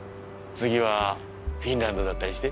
次はフィンランドだったりして？